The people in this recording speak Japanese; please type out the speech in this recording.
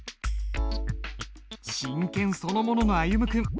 真剣そのものの歩夢君。